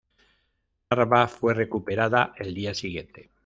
Narva fue recuperada el día siguiente.